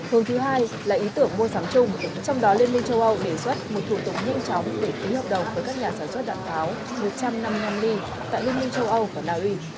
hướng thứ hai là ý tưởng mua sắm chung trong đó liên minh châu âu đề xuất một thủ tục nhanh chóng để ký hợp đồng với các nhà sản xuất đạn pháo một trăm năm mươi năm b tại liên minh châu âu và naui